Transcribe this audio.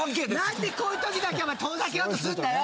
何でこういうときだけ遠ざけようとすんだよ。